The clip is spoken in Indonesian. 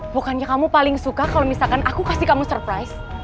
bukannya kamu paling suka kalau misalkan aku kasih kamu surprise